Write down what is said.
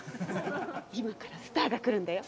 今からスターが来るんだよ。